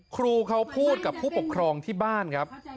ครูเขาพูดกับผู้ปกครองที่บ้านครับ